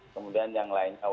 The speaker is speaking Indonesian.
kemudian yang lain